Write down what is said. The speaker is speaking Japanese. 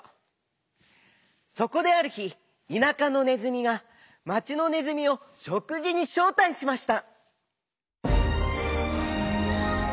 そこであるひ田舎のねずみが町のねずみをしょくじにしょうたいしました。